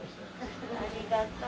ありがとう。